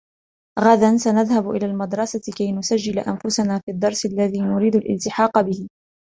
غدا سنذهب إلى المدرسة كي نسجل أنفسنا في الدرس الذي نريد الالتحاق به.